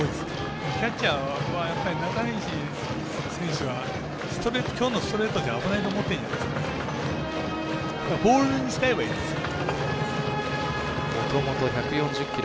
キャッチャー、中西選手はきょうのストレートじゃ危ないと思ってるんじゃないでしょうか。